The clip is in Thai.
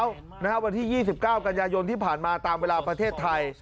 วันที่๒๙กันยายนที่ผ่านมาตามเวลาประเทศไทย